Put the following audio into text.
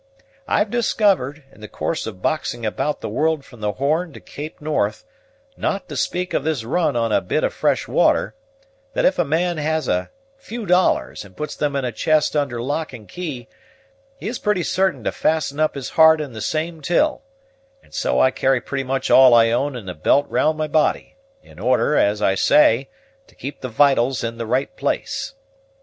I've discovered, in the course of boxing about the world from the Horn to Cape North, not to speak of this run on a bit of fresh water, that if a man has a few dollars, and puts them in a chest under lock and key, he is pretty certain to fasten up his heart in the same till; and so I carry pretty much all I own in a belt round my body, in order, as I say, to keep the vitals in the right place.